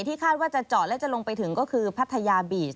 คาดว่าจะเจาะและจะลงไปถึงก็คือพัทยาบีช